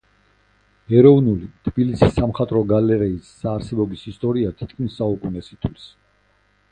ეროვნული, თბილისის სამხატვრო გალერეის არსებობის ისტორია თითქმის საუკუნეს ითვლის.